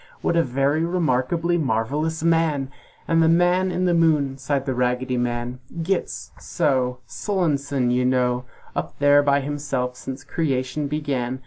What a very remarkably marvelous man! "And the Man in the Moon," sighed the Raggedy Man, "Gits! So! Sullonesome, you know! Up there by himself since creation began!